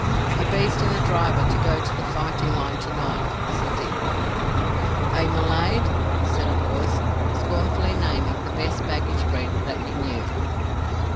"A beast and a driver to go to the fighting line to night," said Dick. "A Mulaid?" said a voice, scornfully naming the best baggage breed that he knew.